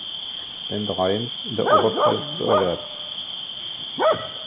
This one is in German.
Ländereien in der Oberpfalz zu erwerben.